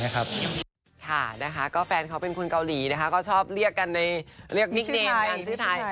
ค่ะนะคะก็แฟนเขาเป็นคนเกาหลีนะคะก็ชอบเรียกกันเรียกบิ๊กเนมกันชื่อไทย